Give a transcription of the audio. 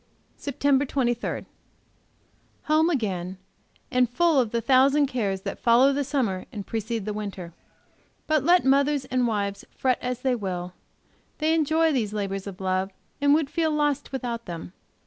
Sept. 23 Home again, and the full of the thousand cares that follow the summer and precede the winter. But let mothers and wives fret as they will, they enjoy these labors of love, and would feel lost without them.